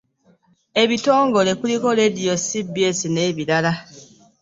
Ebitongole kuliko leediyo CBS n'ebirala.